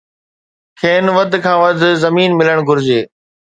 کين وڌ کان وڌ زمين ملڻ گهرجي